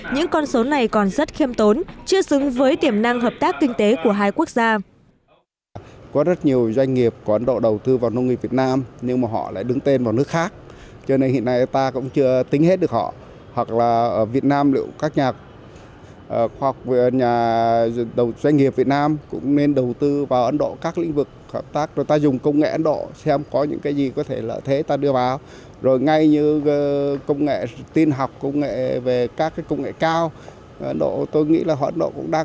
những con số này còn rất khiêm tốn chưa xứng với tiềm năng hợp tác kinh tế của hai quốc gia